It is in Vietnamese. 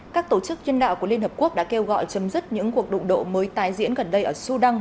các tổ chức nhân đạo của liên hợp quốc đã kêu gọi chấm dứt những cuộc đụng độ mới tái diễn gần đây ở sudan